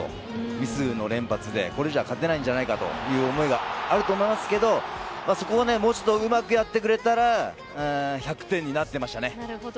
ミスの連発でこれじゃ勝てないんじゃないかという思いがあると思いますけどそこをもうちょっとうまくやってくれたらなるほど。